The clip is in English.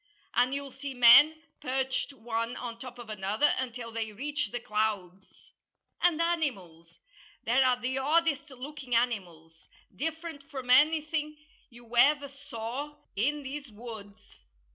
And you'll see men perched one on top of another until they reach the clouds. And animals! There are the oddest looking animals different from anything you ever saw in these woods."